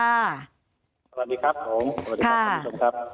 สวัสดีครับผมสวัสดีครับคุณผู้บังคับ